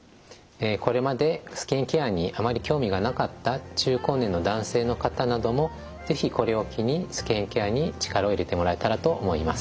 これまでスキンケアにあまり興味がなかった中高年の男性の方なども是非これを機にスキンケアに力を入れてもらえたらと思います。